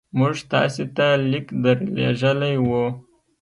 موږ تاسي ته لیک درلېږلی وو.